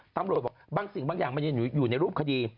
ตำรวจบอกบางสิ่งบางอย่างมันยังอยู่ในรูปคดี